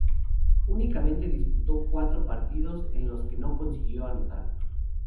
Únicamente disputó cuatro partidos, en los que no consiguió anotar.